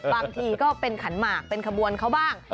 บางทีก็เป็นขันหมากเป็นขบวนเขาบ้าง